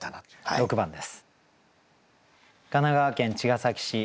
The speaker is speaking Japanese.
６番です。